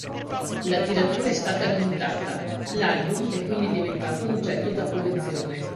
La tiratura è stata limitata, l'album è quindi diventato un oggetto da collezione.